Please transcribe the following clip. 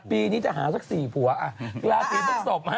ปีนี้จะหาสัก๔ผัวราศีพฤกษบ